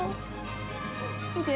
◆見て。